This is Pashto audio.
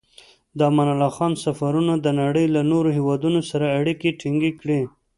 د امان الله خان سفرونو د نړۍ له نورو هېوادونو سره اړیکې ټینګې کړې.